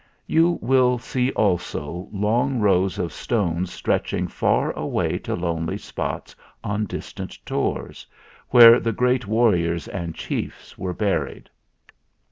You will see also long rows of stones stretch ing far away to lonely spots on distant tors, where the great warriors and chiefs were buried.